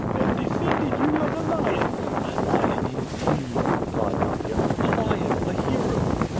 "And defended you like a lion?" "A lion indeed!" replied Nadia. "A lion, a hero!"